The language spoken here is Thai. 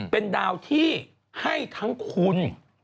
เป็นดาวที่ให้ทั้งคุณ